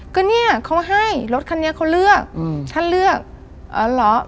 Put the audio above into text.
ก็เนี่ยเขาให้รถคันนี้เขาเลือกอืมท่านเลือกเอ่อล้อ